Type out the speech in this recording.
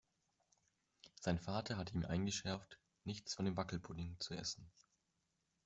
Sein Vater hatte ihm eingeschärft, nichts von dem Wackelpudding zu essen.